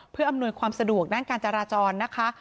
เพื่ออำนวยความสะดวกด้านการจราจรนะคะ